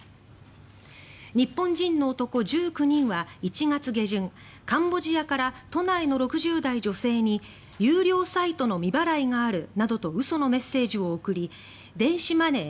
日本人の男１９人は１月下旬カンボジアから都内の６０代女性に有料サイトの未払いがあるなどと嘘のメッセージを送り電子マネー